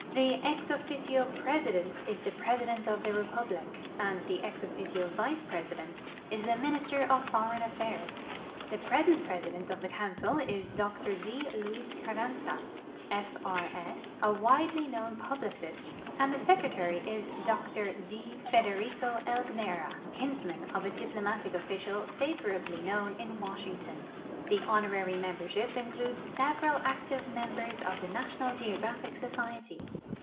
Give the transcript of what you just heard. The ex officio president is the President of the Republic, and the ex officio vice president is the Minister of Foreign Affairs ; the present president of the council is Dr D. Luis Carranza, F.R.S., a widely known publicist, and the secretary is Dr D. Federico Elguera, kinsman of a diplomatic official favorably known in Washington. The honorary membership includesseveral active mem bers of the National Geographic Society.